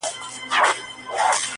د هندو له کوره هم قران را ووت -